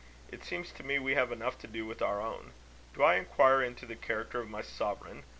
It seems to me we have enough to do with our own. Do I inquire into the character of my sovereign?